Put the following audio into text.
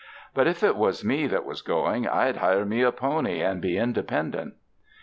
But if it was me that was going, I'd hire me a pony and be inde pendent."